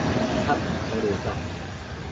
漢寶交流道